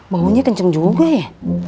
baunya kenceng juga ya